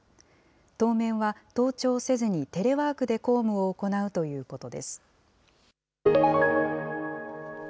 当面は登庁せずに、テレワークで公務を行うということです。